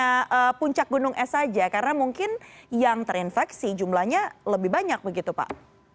hanya puncak gunung es saja karena mungkin yang terinfeksi jumlahnya lebih banyak begitu pak